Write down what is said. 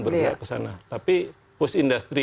bergerak kesana tapi post industry